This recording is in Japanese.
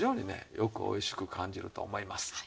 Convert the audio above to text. よくおいしく感じると思います。